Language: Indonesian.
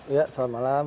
iya selamat malam